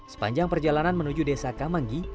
sepanjang perjalanan menuju desa kamanggi